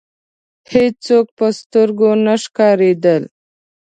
هېڅوک په سترګو نه ښکاریدل.